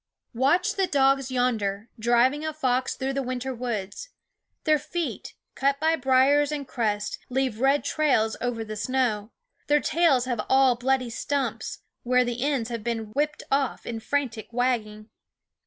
Watch the dogs yonder, driving a fox through the winter woods. Their feet, cut by briers and crust, leave red trails over the snow; their tails have all bloody stumps, where the ends have been whipped off in frantic wagging.